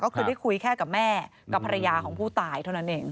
ก็คือได้คุยแค่กับแม่กับภรรยาของผู้ตายเท่านั้นเอง